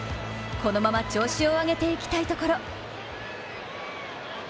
このまま調子を上げていきたいところ。